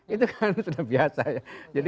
itu kan sudah biasa ya